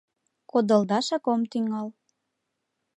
Кодылдашак ом тӱҥал.